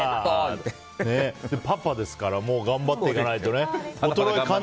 パパですからもう、頑張っていかないとね。